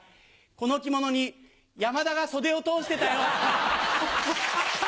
この着物に山田が袖を通してたよ。